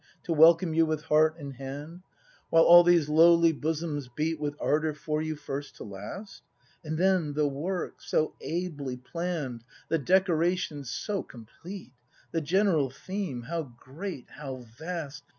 To welcome you with heart and hand; While all these lowly bosoms beat With ardour for you, first to last! And then, the work, so ably plann'd. The decoration, so complete, — The general theme — How great! How vast!